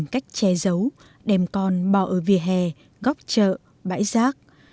con bò ở vỉa hè góc chợ bãi giác